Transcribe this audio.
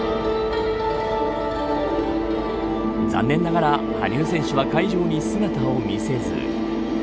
残念ながら羽生選手は会場に姿を見せず。